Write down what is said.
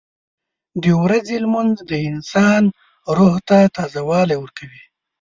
• د ورځې لمونځ د انسان روح ته تازهوالی ورکوي.